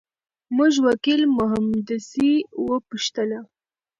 موږ وکیل محمدزی وپوښتله.